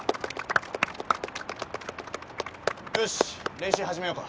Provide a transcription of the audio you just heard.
よし、練習始めようか。